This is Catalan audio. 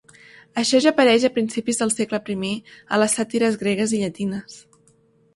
Això ja apareix a principis del segle primer a les sàtires gregues i llatines.